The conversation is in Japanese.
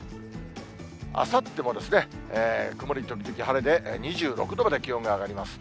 あさっても曇り時々晴れで、２６度まで気温が上がります。